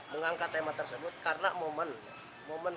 mengangkat tema tersebut karena momen momen